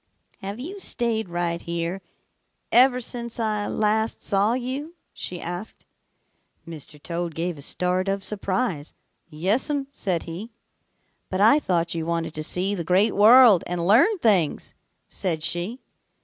"'Have you stayed right here ever since I last saw you?' she asked. "Mr. Toad gave a start of surprise. 'Yes'm,' said he. "'But I thought you wanted to see the Great World and learn things,' said she.